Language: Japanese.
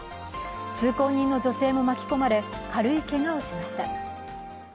通行人の女性も巻き込まれ軽いけがをしました。